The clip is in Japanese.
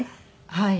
はい。